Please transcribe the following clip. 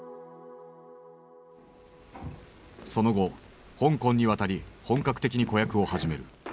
その後香港に渡り本格的に子役を始める。